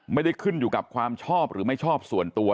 ไม่ได้ขึ้นอยู่กับความชอบหรือไม่ชอบส่วนตัว